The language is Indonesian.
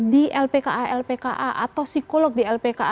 di lpka lpka atau psikolog di lpka